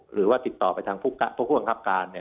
หรือว่าติดต่อไปทางผู้บังคับการเนี่ย